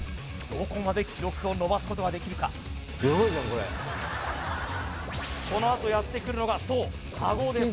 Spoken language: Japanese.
どこまで記録を伸ばすことができるかこのあとやってくるのがそうかごです